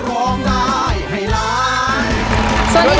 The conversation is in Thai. ร้องได้ให้ล้าน